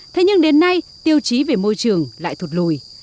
thế nhưng đến nay tiêu chí về môi trường lại thụt lùi